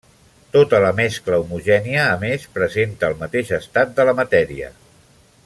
Tota la mescla homogènia a més, presenta el mateix estat de la matèria.